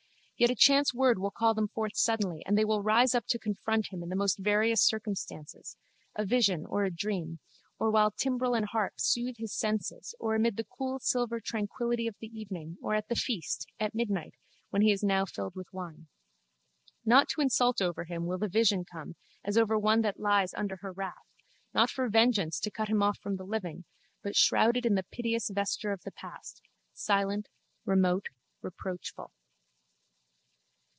Yet a chance word will call them forth suddenly and they will rise up to confront him in the most various circumstances, a vision or a dream, or while timbrel and harp soothe his senses or amid the cool silver tranquility of the evening or at the feast, at midnight, when he is now filled with wine. Not to insult over him will the vision come as over one that lies under her wrath, not for vengeance to cut him off from the living but shrouded in the piteous vesture of the past, silent, remote, reproachful.